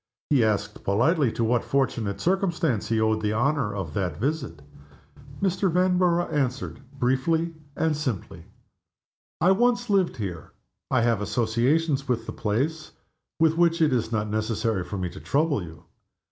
He asked politely to what fortunate circumstance he owed the honor of that visit. Mr. Vanborough answered, briefly and simply, "I once lived here; I have associations with the place with which it is not necessary for me to trouble you.